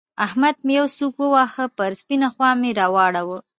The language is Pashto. احمد مې يوه سوک وواهه؛ پر سپينه خوا مې را واړاوو.